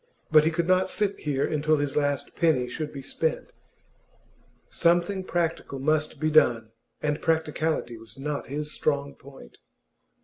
But he could not sit here until his last penny should be spent. Something practical must be done, and practicality was not his strong point.